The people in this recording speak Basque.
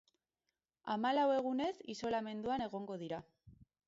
Hamalau egunez isolamenduan egongo dira.